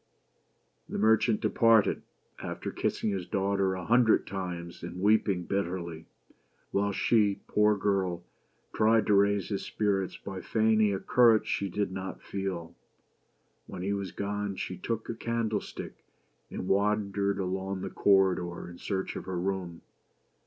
The merchant departed, after kissing his daughter a hun dred times, and weeping bitterly ; while she, poor girl, tried to raise his spirits by feigning a courage she did not feel. When he was gone, she took a candlestick and wandered along the corridor in search of her room.